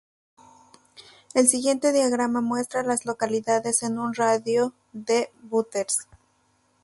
El siguiente diagrama muestra a las localidades en un radio de de Butters.